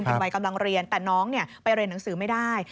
เป็นวัยกำลังเรียนแต่น้องไปเรียนหนังสือไม่ได้